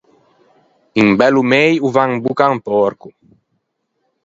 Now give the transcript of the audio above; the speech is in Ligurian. Un bello mei o va in bocca à un pòrco.